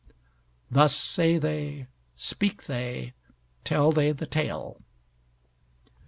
Thus say they, speak they, tell they The Tale.